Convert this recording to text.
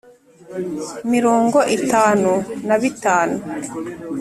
mirongo itanu na bitanu